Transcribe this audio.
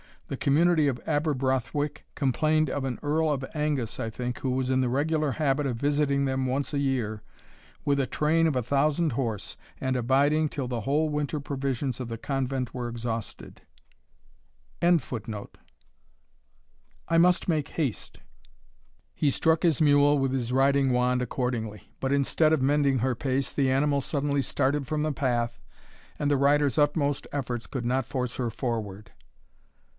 The community of Aberbrothwick complained of an Earl of Angus, I think, who was in the regular habit of visiting them once a year, with a train of a thousand horse, and abiding till the whole winter provisions of the convent were exhausted.] "I must make haste." He struck his mule with his riding wand accordingly; but, instead of mending her pace, the animal suddenly started from the path, and the rider's utmost efforts could not force her forward.